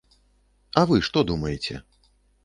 А вы што думаеце?